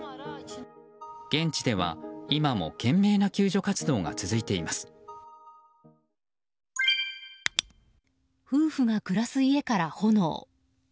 現地では、今も懸命な救助活動が続いています。